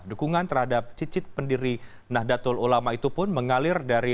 dukungan terhadap cicit pendiri nahdlatul ulama itu pun mengalir dari